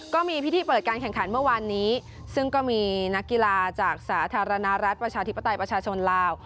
ก็มีพิธีเปิดการแข่งขันเมื่อวานนี้ซึ่งก็มีนักกีฬาจากสาธารณรัฐประชาธิปไตยประชาชนลาว